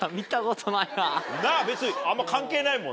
なぁ別にあんま関係ないもんね。